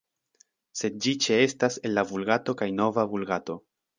Sed ĝi ĉeestas en la Vulgato kaj Nova Vulgato.